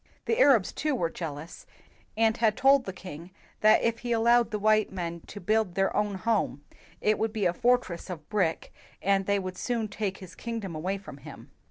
The Arabs, too, were jealous and had told the king that if he allowed the white men to build their own home, it would be a fortress of brick, and they would soon take his king dom away from him.